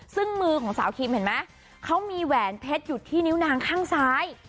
ซึ่งมือของสาวคิมเห็นไหมเขามีแหวนเพชรอยู่ที่นิ้วนางข้างซ้าย